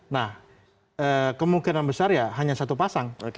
nah kemungkinan besar ya hanya satu pasang